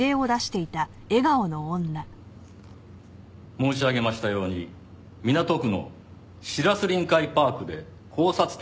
申し上げましたように港区の白洲臨海パークで絞殺体として発見されました。